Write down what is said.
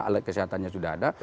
alat kesehatannya sudah ada